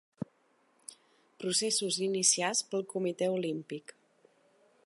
Processos iniciats pel Comitè Olímpic.